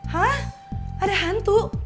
hah ada hantu